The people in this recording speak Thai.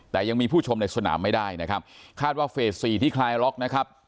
แต่ยังมีผู้ชมในสนามไม่ได้นะครับคาดว่าเฟสสี่ที่คลายล็อกนะครับ